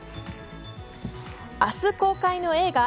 明日公開の映画